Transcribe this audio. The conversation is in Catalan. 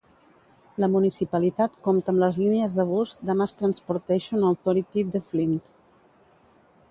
La municipalitat compta amb les línies de bus de Mass Transportation Authority de Flint.